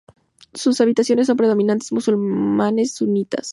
Sus habitantes son predominantemente musulmanes sunitas.